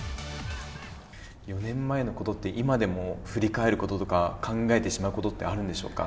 ４年前のことって、今でも振り返ることとか、考えてしまうことってあるんでしょうか。